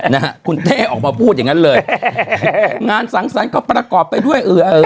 นะฮะคุณเทศออกมาพูดอย่างงั้นเลยงานสังสรรค์เขาประกอบไปด้วย